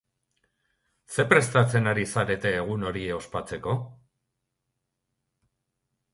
Zer prestatzen ari zarete egun hori ospatzeko?